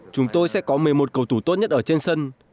chúng tôi sẽ có một mươi một cầu thủ tốt nhất ở trên sân